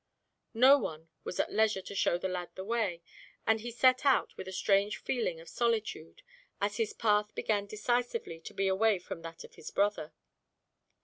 No one was at leisure to show the lad the way, and he set out with a strange feeling of solitude, as his path began decisively to be away from that of his brother.